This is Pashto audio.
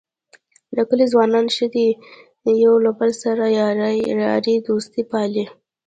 د کلي ځوانان ښه دي یو له بل سره یارۍ دوستۍ پالي.